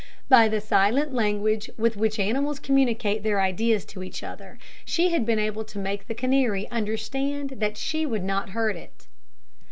By the silent language with which animals communicate their ideas to each other, she had been able to make the canary understand that she would not hurt it.